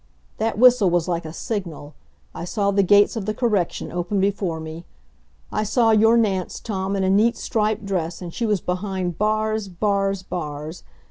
That whistle was like a signal I saw the gates of the Correction open before me. I saw your Nance, Tom, in a neat striped dress, and she was behind bars bars bars!